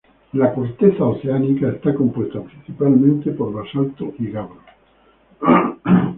La corteza oceánica está compuesta principalmente por basalto, y gabro.